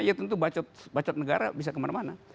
ya tentu bacat negara bisa kemana mana